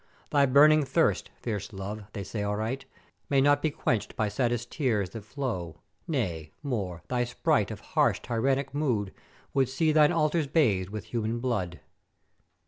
Thy burning thirst, fierce Love, they say aright, may not be quencht by saddest tears that flow; Nay, more, thy sprite of harsh tyrannick mood would see thine altars bathed with human blood.